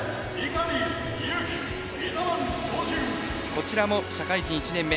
こちらも社会人１年目。